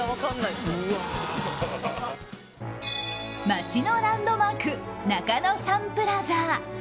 街のランドマーク中野サンプラザ。